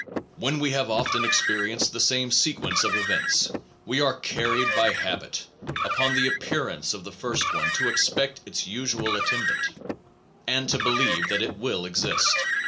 When we have often experienced the same sequence of events, we are carried by habit, upon the appearance of the first one, to expect its usual attendant, and to believe that it will exist.